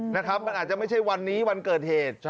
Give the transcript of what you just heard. นะครับมันอาจจะไม่ใช่วันนี้วันเกิดเหตุ